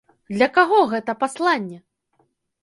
Для каго гэтае пасланне?